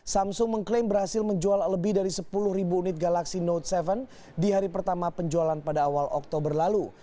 samsung mengklaim berhasil menjual lebih dari sepuluh ribu unit galaxy note tujuh di hari pertama penjualan pada awal oktober lalu